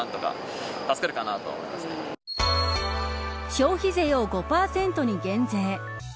消費税を５％に減税。